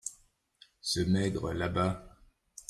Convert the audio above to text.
ce maigre là-bas.